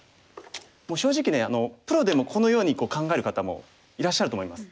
もう正直ねプロでもこのように考える方もいらっしゃると思います。